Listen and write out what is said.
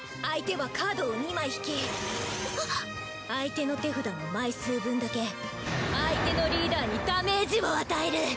相手はカードを２枚引き相手の手札の枚数分だけ相手のリーダーにダメージを与える！